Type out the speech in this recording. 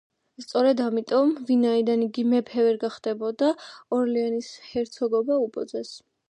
სწორედ ამიტომ, ვინაიდან იგი მეფე ვერ გახდებოდა, ორლეანის ჰერცოგობა უბოძეს.